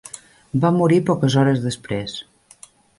Va morir poques hores després.